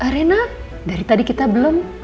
arena dari tadi kita belum